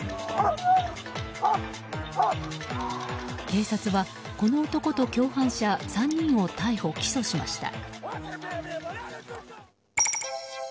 警察は、この男と共犯者３人を逮捕・起訴しました。